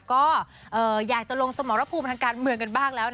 ก็อยากจะลงสมรภูมิบรรทางการเมืองบ้าง